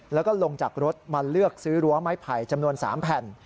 แล้วก็ลงจากรถมาเลือกซื้อรั้วไม้ไผ่จำนวน๓แผ่น